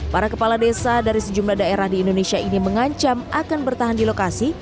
para kepala desa dari sejumlah daerah di indonesia ini mengancam akan bertahan di lokasi